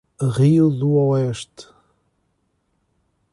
Rio do Oeste